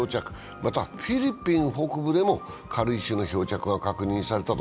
またフィリピン北部でも軽石の漂着が確認されたと。